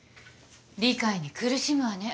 理解に苦しむわね。